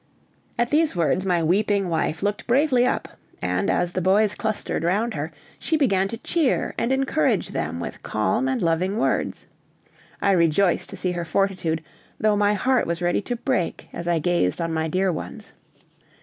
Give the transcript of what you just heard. At these words my weeping wife looked bravely up, and, as the boys clustered round her, she began to cheer and encourage them with calm and loving words. I rejoiced to see her fortitude, though my heart was ready to break as I gazed on my dear ones.